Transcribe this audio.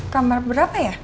kamar berapa ya